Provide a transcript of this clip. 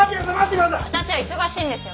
私は忙しいんですよ